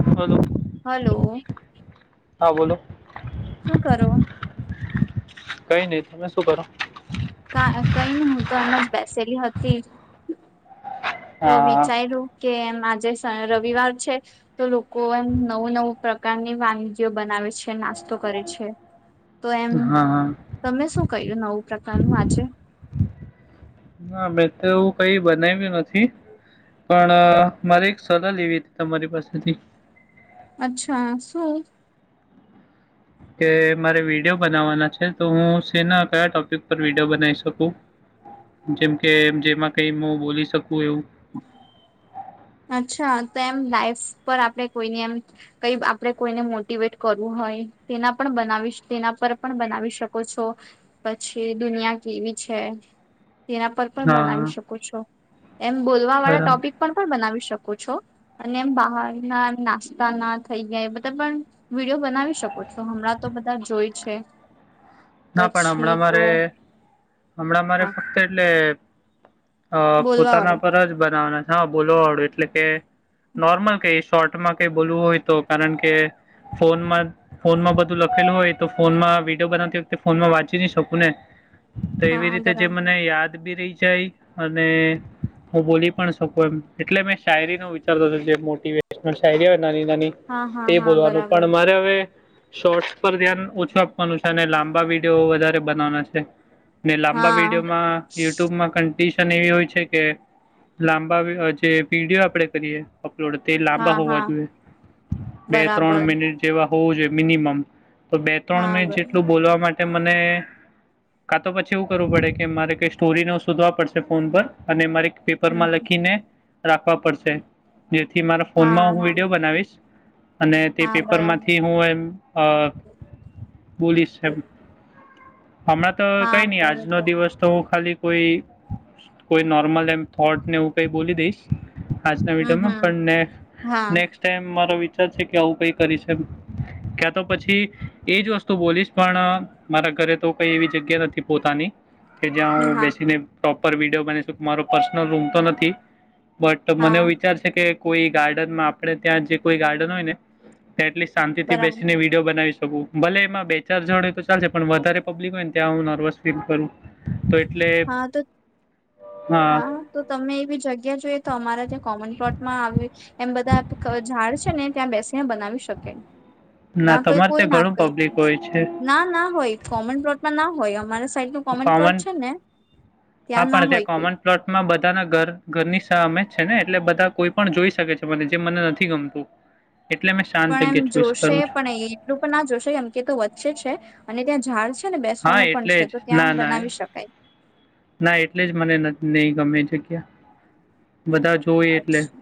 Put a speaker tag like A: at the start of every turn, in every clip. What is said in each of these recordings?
A: Hello
B: hello
A: હા બોલો
B: શું કરો
A: કઈ નહીં તમે શું કરો
B: કા કઈ નઈ હું તો એમાં જ બેસેલી હતી તો
A: હા
B: વિચાર્યું કે એમ આજે શ રવિવાર છે તો લોકો એમ નવું નવું પ્રકારની વાનગીઓ બનાવે છે નાસ્તો કરે છે તો એમ
A: હા હા
B: તમે શું કર્યું નવું પ્રકારનું આજે
A: ના મેં તો એવું કઈ બનાવ્યું નથી પણ મારે એક સલાહ લેવી હતી તમારી પાસેથી
B: અચ્છા શું
A: કે મારે વિડીયો બનાવવાના છે તો હું શેના કયા ટોપિક પર વિડીયો બનાવી શકું જેમ કે જેમાં કઈ હું બોલી શકું એવું
B: અચ્છા તો એમ લાઈફ પર આપડે કોઈને એમ કઈ આપડે કોઈને મોટવેટ કરવું હોયે હોય તેના પણ બનાવી તેના પર પણ બનાવી શકો છો પછી દુનિયા કેવી છે તેના પર પણ બનાવી
A: હા
B: શકો છો એમ બોલવા વાળા
A: બરાબર
B: ટોપિક પણ પણ બનાવી શકો છો એમ બહાર ના નાસ્તા ના થઈ ગયે બધા પણ વિડીયો બાનવી શકો છો હમણાં તો બધા જોઈ છે
A: ના પણ
B: પછી
A: હમણાં
B: તો
A: મારે હમણાં મારે
B: હા
A: ફક્ત એટલે અ
B: બોલવા
A: પોતાના
B: વાળું
A: પર જ બનાવના છે બોલોવાળું એટલે કે નોર્મલ કઈ શોર્ટમાં કઈ બોલવું હોય તો કારણ કે ફોનમાં ફોનમાં બધું લખેલું હોય તો ફોનમાં વિડીયો બનાવતી વક્તે ફોનમાં વાંચી નહી શકું ને તો એવી
B: હા
A: રીતે જે
B: બરાબર
A: મને યાદ બી રહી જાય અને હું બોલી પણ શકું એમ એટલે મેં શાયરી નું વિચારતો જે મોટીવેશનલ શાયરી હોય નાની નાની
B: હા હા
A: એ
B: હા
A: બોલવાનું પણ
B: બરાબર
A: મારે હવે શોર્ટસ પર ધ્યાન ઓછું આપ વાનુ છે ને લાંબા વિડીયો વધારે બનાવાના છે ને લાંબા
B: હા
A: વિડીયોમાં યુટ્યુબમાં કં ડિસન એવી હોય છે કે લાંબા જે પીડીઓ આપડે કરીએ લોડ તે લાંબા
B: હા
A: હોવા
B: હા
A: જોઈએ બે ત્રણ
B: બરાબર
A: મિનિટ જેવા હોવું જોઈએ મિનિમમ તો બે ત્રણ
B: હા
A: મિનિટ
B: બ
A: જેટલું બોલવા માટે મને કા તો પછી એવું કરવું પડે કે મારે કઈ સ્ટોરી ન શોધવા પડશે ફોન પર અને મારી
B: હમ
A: પેપરમાં લખીને રાખવા પડશે જેથી મારા
B: હા
A: ફોનમાં હું વિડીયો બનાવીશ અને તે
B: હા હા બરાબર
A: પેપરમાંથી હું એમ અ બોલીશ એમ હમણાં તો
B: હા
A: કઈ ની આજનો
B: બરાબર
A: દિવસ તો ખાલી કોઈ કોઈ નોર્મલ એમ થોટ ને હું કઈ બોલી દઈશ આજના
B: હમ
A: વિડીયોમાં
B: હમ
A: પણ નેક
B: હા
A: નેક્સટ ટાઈમ મારો વી છે કે આવું કઈ પરિસદ ક્યા તો પછી એજ વસ્તુ બોલીશ પણ મારા ઘરે તો કઈ એવી જગ્યા નથી પોતાની કે જ્યાં હું
B: હા
A: બેસીને પ્રોપર વિડીયો બનાવી શકુ મારો પર્સનલ રૂમ તો નથી બટ મને
B: હા
A: એવું વિચારશે કે કોઈ ગાર્ડનમાં આપડે ત્યાં જે કોઈ ગાર્ડન હોય ને તે એટલી શાંતિથી
B: બરાબર
A: બેસીને વિડીયો બનાવી શકું ભલે એમાં બે ચાર જણ તો ચાલશે પણ વધારે પબ્લિક હોય ને ત્યાં હું નર્વસ ફીલ કરું તો એટલે
B: હા તો
A: હા
B: હા તો તમે એ બી જગ્યા જોઈએ તો અમારા તે કોમન પ્લોટમાં આવ એમ બધા ઝાડ છે ને ત્યાં બેસીને બનાવી શકે
A: ના
B: ત્યાં કઈ
A: તમારે
B: કોઈ
A: ત્યાં
B: ના
A: ઘણું
B: કઈ કે
A: પબ્લિક હોય છે
B: ના ના હોય કોમન પ્લોટમાં ના હોય અમારે [unintelligible] કોમન પ્લૉટ છે ને
A: હા
B: ના
A: પણ ત્યાં
B: હોય કોઈ
A: કોમન પ્લોટમ મા બધાના ઘર ઘરની સહ અમે છે ને એટલે બધા કોઈ પણ જોઈ શકે છે મને જે મને નથી ગમતું એટલે મેં શાંત
B: પણ એમ
A: જગ્યા ચૂઝ
B: જોશે
A: કરું છું.
B: પણ એટલું પણ ના જોશે કેમ કે તો વચ્ચે જ છે અને ત્યાં ઝાડ છે ને
A: હા,
B: બેસવાનું પણ
A: એટલે
B: છે
A: જ
B: તો
A: ના
B: ત્યાં
A: ના
B: બનાવી શકાય
A: ના એટલે જ મને નઈ ગમે જગ્યા બધા જોય એટલે
B: અચ્છા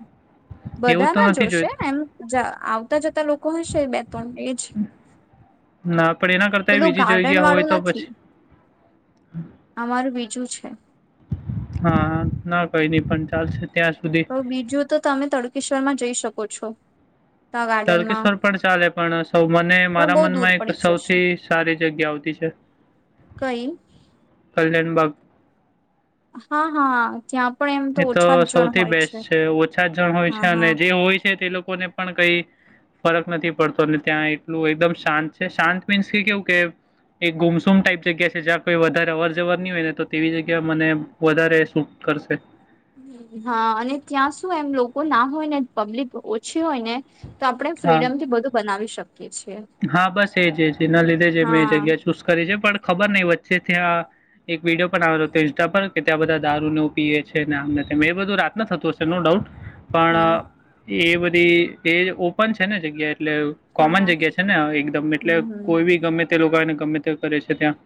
A: એવું
B: બધા
A: તો
B: ના
A: નથી
B: જોશે
A: જોયું.
B: એમ જ આવતા જતા લોકો હશે બે ત્રણ એજ
A: ના પણ એના કરતા
B: પેલું
A: બીજી જોઈ
B: ગાર્ડન
A: ગયા હોય
B: વાળું
A: તો પછ
B: નથી અમારું બીજું છે
A: હા ના કઈ નઈ પણ ચાલશે ત્યાં સુધી.
B: તો બીજું તો તમે તડુકેશ્વરમાં જઈ શકો છો ત્યાં ગાર્ડનમાં
A: તળકેશ્વર પણ ચાલે પણ સૌ મને
B: પણ
A: મારા
B: બહુ દૂર
A: મનમાં એક
B: પડી જશે
A: સૌથી સારી જગ્યા આવતી છે
B: કઈ?
A: કલ્યાણ બગ
B: હા હા ત્યાં પણ એમ
A: એ તો
B: ઓછા જ જણ
A: સૌથી
B: હોય
A: બેસ્ટ છે ઓછા જણ હોય છે
B: હા
A: અને
B: હા
A: જે હોય છે તે લોક કો ને પણ કઈ ફરક નથી પડતો અને ત્યાં એટલું એકદમ શાંત છે શાંત મીન્સ કે કેવું કે એક ગુમસુમ ટાઈપ જગ્યા છે જ્યાં કોઈ વધારે અવર જવર ની હોય ને તો તેવી જગ્યા મને વધારે સ કરશે
B: હા અને ત્યાં સુું એમ લોકો ના હોય ને પબ્લિક ઓછી હોય ને તો આપડે
A: હા
B: ફ્રીડમ થી બધું બનાવી શક
A: હા બસ એજ એજ છે એના લીધે જ મેં
B: હા
A: જગ્યા ચૂઝ કરી છે પણ ખબર ની વચ્ચે ત્યાં એક વિડીયો પણ આવેલો હતો ઇન્સ્ટા પર કે ત્યાં બધા દારૂ ને પીએ છે આમ એ બધું રાતના થતું હશે નો ડાઉટ
B: હમ
A: પણ એ બધી એ ઓપન છે ને જગ્યા એટલે
B: હા
A: કોમન
B: હા
A: જગ્યા હાં એકદમ એટલે
B: હમ હમ
A: કોઈ બી
B: હમ
A: ગમે તે લોકો આવીને ગમે તે કરે છે ત્યા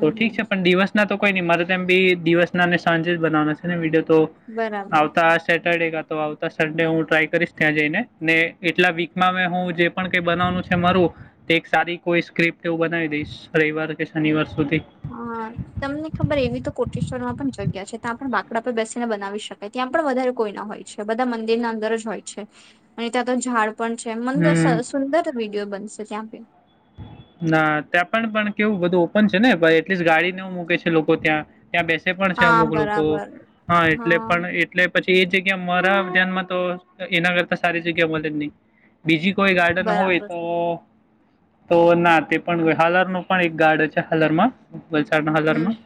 B: હમ હમ
A: ઠીક છે પણ દિવસ ના તો કોઈ ની મારે તેમ બી દિવસ નાને સાંજે જ બનાવા છે ને વિડીયો તો
B: બરાબર
A: આવતા આ સેટ [unintelligible] તો આવતા સડે હું ટ્રાય કરીશ ત્યાં જઈને ને એટલા વીકમાં મે હું જે પણ કઈ બનાવવાનું છે મારું તો એક સારી કોઈ સ્ક્રિપ્ટ એવું બનાવી દઈશ રવિવાર કે શનિવાર સુધી
B: હા તમને ખબર એવી તો કોટેશ્વર માં પણ છે. જગ્યા છે ત્યાં પણ બાકડા પર બેસીને બનાવી શકાય ત્યાં પણ વધારે કોઈના હોય છે બધા મંદિરના અંદર જ હોય છે. અને ત્યાં તો ઝાડ પણ છે મંદ
A: હમ
B: સુંદર વિડીયો બનશે ત્યાં બી
A: ના ત્યાં પણ કેવું બધું ઓપન છે ને એટલીસ્ટ ગાડીનેવું મૂકે છે લોકો ત્યાં ત્યાં બેસે પણ છે
B: હા
A: અમુક લોકો
B: બરાબર
A: હા એટલે પણ એટલે પછી એ જગ્યા મારા ધ્યાનમાં તો એના કરતા સારી જગ્યા મળે જ નહી બીજી કોઈ ગાર્ડન હોય
B: બરાબર
A: તો તો ના તે પણ હાલર નો પણ એક ગાર્ડ છે હાલરમાં વલસાડના
B: હમ
A: હાલરમાં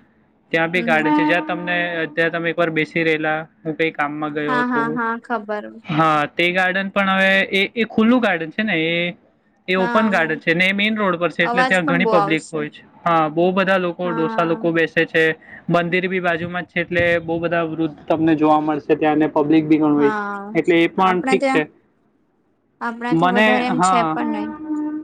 A: ત્યાં
B: હમ
A: બી
B: હમ
A: ગાડી છે જ્યાં તમને અત્યારે તમે એક વાર બેસી રહેલા હું કઈક કામમાં ગયો
B: હા
A: હતો
B: હા હા ખબર
A: હા તે ગાર્ડન પણ હવે એ ખુલ્લું ગાર્ડન છે ને એ
B: હા
A: ઓપન
B: હા
A: ગાર્ડન છે. જેને મેઈન રોડ પર છે એટલે
B: અવાજ
A: ત્યાં
B: પણ
A: ઘણી
B: બહુ
A: પબ્લિક
B: આવશે
A: હોય છે. હા બહુ બધા લોકો ડોસા
B: હા
A: લોકો બેસે છે. મંદિર બી બાજુ માં જ છે એટલે બહુ બધા વૃદ્ધ તમને જોવા મળશે ત્યાં ને પબ્લિક બી ઘણુ હોય
B: હા
A: એટલે એ પણ
B: આપણા
A: ઠીક
B: ત્યાં
A: છે.
B: આપણા ત્યાં
A: મને
B: વધારે એમ છે
A: હા
B: પણ નહી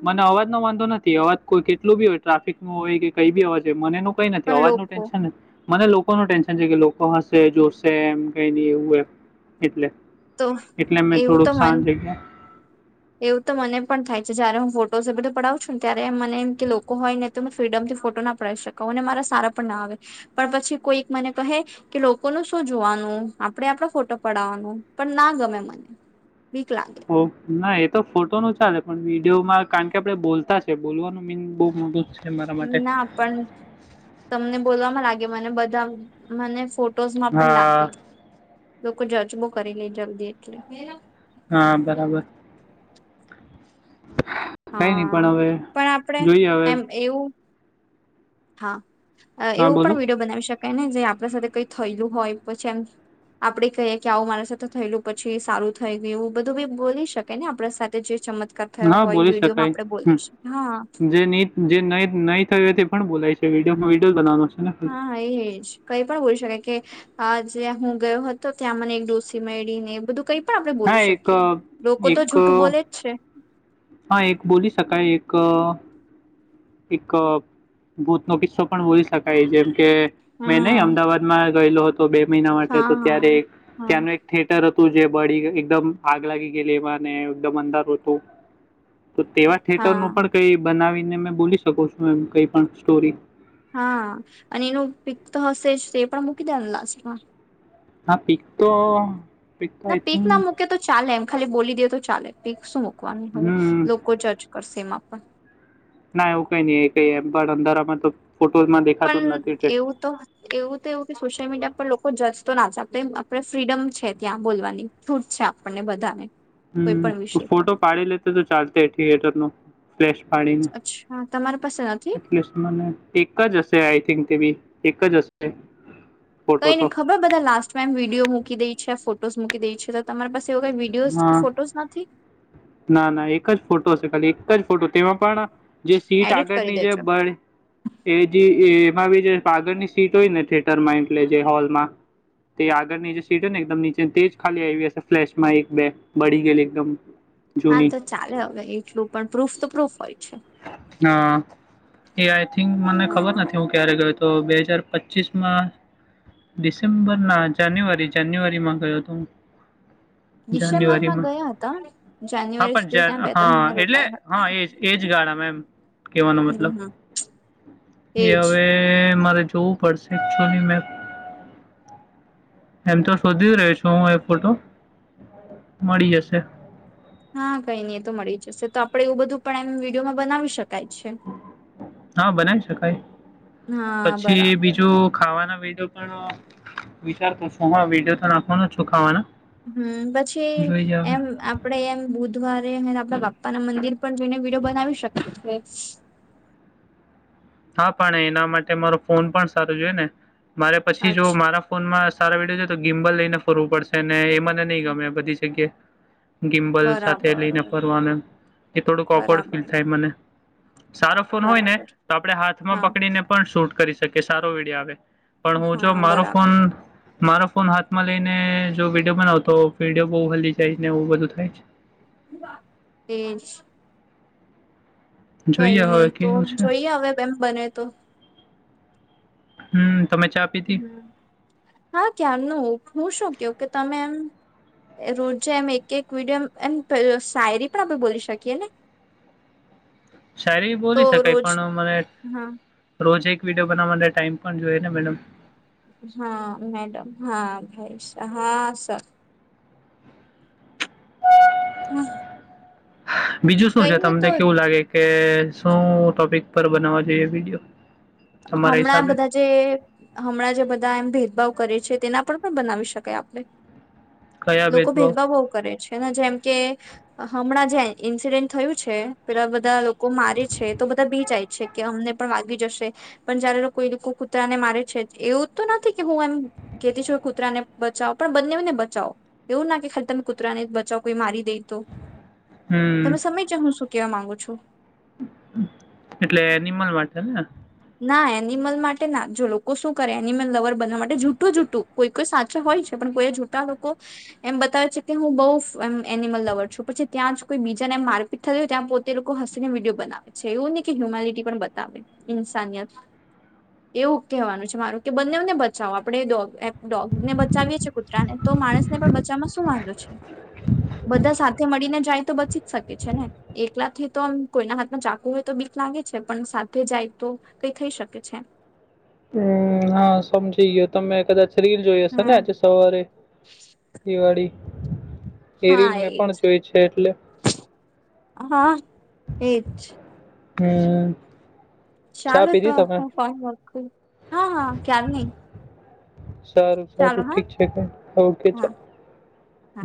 A: મને અવ અવાજ નો વાંધો નથી અવાજ કોઈ કેટલુ બી હોય ટ્રાફિક નો હોય કે કઈ બી અવાજ હોય મને નો કઈ નથી
B: પણ
A: અવાજ નું
B: લોકો
A: ટેન્શન નથી મને લોકો નો ટેન્શન છે કે લોકો હશે જોશે એમ કઈ નઇ એવું એ એટલે
B: તો
A: એટલે મેં
B: એવું તો
A: થોડુંક
B: મન
A: શાંત જગ્યા
B: એવું તો મને પણ થાય. જયારે હું ફો એ બધું પડાવું છું ને ત્યારે મને એમ કે લોકો હોય ને તો ફ્રીડમ થી ફોટો ના પડાવી શકાવ અને મારા સારા પણ ના આવે પણ પછી કોઈ મને કહે કે લોકોનું શું જોવાનું આપડે આપણા ફોટો પડવાનું પણ ના ગમે મને બીક લાગે
A: ઓ ના એ તો ફોટો નું ચાલે પણ વિડીયોમાં કારણ કે આપડે બોલતા છે બોલવાનું મીન બહુ મોટું છે. મારા માટે
B: ના પણ તમને બોલવામાં લાગે મને બધા મને ફોટ ફોટોઝ માં પણ લાગે
A: હા
B: લોકો જજબો કરી લે જલ્દી એટલે
A: હા બરાબર કઈ નહી
B: હા
A: પણ હવે
B: પણ આપડે
A: જોઈએ હવે
B: એમ એવું હા
A: હા
B: એવું પણ
A: બોલો
B: વિડીયો બનાવી શકાય ને જે આપણા સાથે કઈ થયેલું હોય પછી એમ આપડે કહીએ કે આવું મારા સાથે થયેલું પછી સારું થઈ ગયું એવુ બધું બી બોલી શકે ને આપડા સાથે જે ચમત્
A: હા બોલી શકાય
B: હા
A: જે જે ન નહી થયુ હોય તે પણ બોલાય છે વિડીયોમાં વિડીયો બવાનો છે. ને
B: હા હા એજ કઈ પણ બોલી શકાય કે આ જ્યાં હું ગયો હતો ત્યાં મને એક ડોસી મેળીને એવું બધું કઈક પણ આપણે
A: હા
B: બોલી
A: એક
B: શકીએ લોકો તો
A: એક
B: જૂઠું બોલે જ છે.
A: હા એક બોલી સકાય એક એક ભૂત નો કિસ્સો પણ બોલી શકાય જેમ કે મેં નહીં
B: હા
A: અમદાવાદમાં ગયેલો હતો બે મહિના માટે તો
B: હા
A: ત્યારે ત્યાંનું એક
B: હા
A: ત્યાંનું એક થિયટર હ તુ જે બળી એકદમ આગ લાગી ગયેલી એમાંને એકદમ અંદારુ હતું તો તેવા થિયેટર ન
B: હા
A: પણ કઈ બનાવીને મે બોલી શકો છું એમ કઈ પણ સ્ટોરી
B: હા અને એનું પિક તો હશે જ તે પણ મૂકી દેવા નુ લાસ્ટ માં
A: હા પિક તો તો આઈ
B: ના પીક ના
A: થિંક
B: મૂકે તો ચાલે એમ ખાલી બોલી દે તો ચાલે પિક શું મૂકવાનું હવે
A: હમ્મ.
B: લોકો જજ કરશે એમાં પણ
A: ના એવું કઈ નઈ એ કઈ એમ પણ અંધારામાં તો ફોટોઝમાં દેખાતું
B: પણ
A: જ નથી તે
B: એવું તો એવું તો એવું કે સોશિયલ મીડિયા પર લોકો જજ તો ના છે આપણે આપણે ફ્રીડમ છે ત્યાં બોલવાની છૂટ છે આપણને બધાને કોઈ પણ
A: હમ
B: વિષય પર
A: ફોટો પાડી લેતે તો ચાલશે થિયેટર નુ ફ્લેશ પાડીને
B: અચ્છા તમારી પાસે નથી
A: એટલે મને એક જ હશે આઈ થિંક બી એક જ હશે ફોટો
B: કઈ નહિ
A: તો.
B: ખબર બધા લાસ્ટ ટાઈમ વિડીયો મૂકી દઈ છે ફોટોઝ મૂકી દઈ છે તો તમારી પાસ
A: ના, ના ના એક જ ફોટો હશે ખાલી એક જ ફોટો તેમાં પણ જે સીટ
B: એડિટ કરી
A: આગળની જે
B: દેજો
A: બળ એ જે એમાં બી જે પાગળ ની સીટ હોય ને તે હોલમાં તે આગળની જે સીટ હોય ને એકદમ નીચે તેજ ખાલી હોય માં એક બે બળી ગયલી એકદમ
B: હા
A: જૂની.
B: તો ચાલે હવે એટલું પણ પ્રૂફ તો પ્રૂફ હોય છે
A: હા એ આઈ થિંક મને ખબર
B: હા
A: નથી હું ક્યારે ગયો તો બે હજાર પચીસમાં ડિસેમ્બર ના જાન્યુઆરી જાન્યુઆરીમાં ગયો હતો હું.
B: [inaudible] ડિસેમ્બર માં
A: જાન્યુઆરીમાં.
B: ગયા હતા
A: હા,
B: જાન્યુઆરી
A: પણ
B: સુધી ત્યાં બે ત્રણ મહિના રોકાયા હતા એમ
A: શિયાળામાં એમ કેવાનો મતલબ
B: હમ હમ
A: એ
B: એજ
A: હવે મારે તો પરસેપ્સની મેં એમ તો શોધી રહીશ હું એ ફોટો મળી જશે.
B: હા કઈ નઈ એ તો મળી જશે તો આપડે એવું બધું પણ એમ વિડીયોમાં બનાવી શકાય છે.
A: હા બનાવી શકાય
B: હા
A: પછી
B: બરાબર
A: બીજું ખાવાના બીજો પણ વિચાર પૂછવાનો વિડીયો તો નાખવાનો શુ ખાવાનો
B: હું પછી એમ આપડે એમ બુધવારે ને આપડા બાપ પપ્પાના મંદિર પણ જઈને વિડીયો બનાવી શકે છે.
A: હા પણ એના માટે મારો ફોન પણ સારો જોઈ ને મારે પછી જો
B: અચ્છા
A: મારા ફોનમાં સારા વિડયો ને તો ગિમ્બલ લઈને ફરવું પડશે ને એ મને નહ ગમે બધી જગ્યાએ ગિમ્બલ સાથે લઈને
B: બરાબર
A: ફરવાનું એમ એ થોડુંક ઓકડ ફીલ
B: બરાબર
A: થાય મને. સારો ફોન હોય ને
B: બરાબર
A: તો આપડે હાથમાં
B: હા
A: પકડીને પણ શૂટ કરી શકીએ સારો વિડીયો આવે. પણ હું જો
B: હા
A: મારો
B: બરાબર
A: ફોન મારો ફોન હાથમાં લઈને જો વિડીયો બનાવુ તો વિડીયો બહું હલી જાય ને એવું બધું થાય છે.
B: તે જ કઈ
A: જોઈએ
B: નહી
A: હવે
B: તો
A: કેવું છે.
B: જોઈએ હવે બેમ્પ બને તો.
A: હમ.
B: હા, ક્યારનું હું શું કેવ તમે એમ એ રોજે એમ એક એક વિડીયો એમ એમ શાયરી પણ આપણે બોલી શકીએ ને. [inaudible]
A: શાયરી
B: તો
A: બોલી શકાય
B: રોજ
A: પણ મને
B: હા
A: રોજ એક વિડીયો બનાવવા માટે ટાઈમ પણ જોઈએ ને મેડમ.
B: હા, મેડમ, હા હા સર. [unintelligible]
A: બીજું શું છે
B: કઈને તો
A: તમને કેવું લાગે કે શું ટોપિક પર બનાવવા જોઈએ વિડીયો? તમારા
B: હમણાં
A: હિસાબે
B: બધા જે હમણાં જે બધા એમ ભેદભાવ કરે છે. તેના પર પણ બનાવી શકાય આપણે લોકો ભેદભાવ બોવ કરે છે. એમાં જેમ કે હમણાં જે ઇન્સીડેન્ટ થયું છે પેલા બધા લો કો મારે છે તો બધા બી જાય છે કે અમને પણ વાગી જશે. પણ જયારે કોઈ લોકો કૂતરા ને મારે છે એવું તો નથી કે હું એમ કેતી છું કૂતરા ને બચાવ પ પણ બંનેઉ ને બચાવો એવું ના કે ખાલી તમે કૂતરા ને જ બચાવો કોઈ મારી દે તો તમે
A: હમ
B: સમયજા હું શું કેવા માંગુ છું.
A: એટલે એનિમલ માટે ને.
B: ના એનિમલ માટે ના જો લોકો શું કરે એનિમલ લવર બનવા માટે જૂઠું જૂઠું કોઈ કોઈ સાચુ હોય છે પણ કોઈ જૂઠા લોકો એમ બતાવે છે કે હું બોવ ફ એમ એનિમલ લવર છું પછી ત્યાં જ કોઈ બીજાને એમ મારપીટ થતી હોય ત્યાં પોતે લોકો હસીને વિડીયો બનાવે છે એવું ની કે હ્યુમેલિટી પણ બતાવે. ઇન્સાનિયત. એવું કહેવાનું છે મારું કે બંને ઓને બચાવો આપડે ડોગ એમ ડોગ ને બચાવીએ છીએ કુતરાને તો તો માણસ ને પણ બચાવવામાં શું વાંધો છે. બધા સાથે મળીને જાય તો બચી જ શકે, છે ને એકલા થી તો એમ કોઈના હાથમાં ચાકુ હોય તો બી લાગે છે, પણ સાથે જાય તો કઈ થઈ શકે છે.
A: હમ હા સમજી ગીયો તમે કદાચ રીલ જોઈ હશે ને
B: હમ
A: આજે સવારે એ વાડી? એ રીલ
B: હા
A: મેં
B: એજ
A: પણ જોઈ છે, એટલે
B: હા, એજ.
A: હમ. ચા
B: ચાલો તો
A: પીધી તમે
B: હું ફોન મુકું હા હા ક્યારની
A: સારું
B: ચાલો
A: સારું
B: હા
A: ઠીક છે, કય ઓકે
B: હા
A: ચા
B: હા